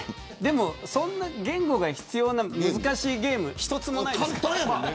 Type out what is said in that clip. そんな言語が必要な難しいゲーム一つもないですから。